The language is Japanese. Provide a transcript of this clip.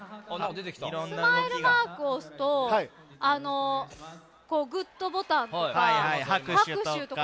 スマイルマークを押すとグッドボタンとか拍手とか。